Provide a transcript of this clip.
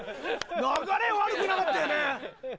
流れ悪くなかったよね？